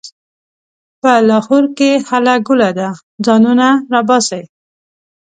په لاهور کې هله ګوله ده؛ ځانونه راباسئ.